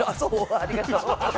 ありがとう。